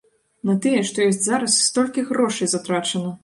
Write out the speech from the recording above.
На тыя, што ёсць зараз столькі грошай затрачана!